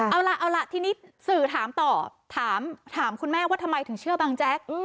เอาล่ะเอาล่ะทีนี้สื่อถามต่อถามคุณแม่ว่าทำไมถึงเชื่อบังแจ๊ก